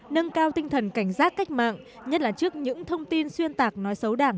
nâng cao tinh thần cảnh giác cách mạng nhất là trước những thông tin xuyên tạc nói xấu đảng